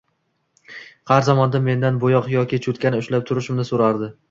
Har zamonda mendan bo`yoq yoki cho`tkani ushlab turishimni so`rardi